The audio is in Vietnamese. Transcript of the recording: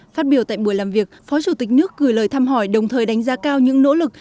phát biểu tại buổi làm việc phó chủ tịch nước gửi lời thăm hỏi đồng thời đánh giá cao những nỗ lực